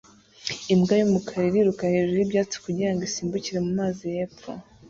Imbwa yumukara iriruka hejuru yibyatsi kugirango isimbukire mumazi hepfo